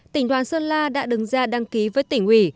tỉnh đoàn sơn la đã đứng ra đăng ký với tỉnh ủy